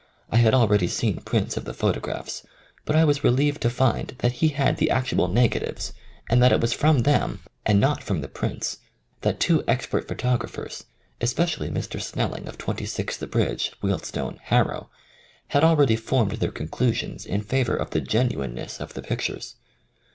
I had already seen prints of the photographs, but I was relieved to find that he had the actual negatives, and that it was from them, and not from the 41 THE COMING OF THE FAIRIES prints, that two expert photographers, es pecially Mr. Snelling of 26 The Bridge, Wealdstone, Harrow, had already formed their conclusions in favour of the genuine ness of the pictures.